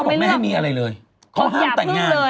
บอกไม่ให้มีอะไรเลยเขาห้ามแต่งงาน